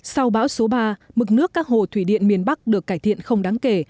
sau bão số ba mực nước các hồ thủy điện miền bắc được cải thiện không đáng kể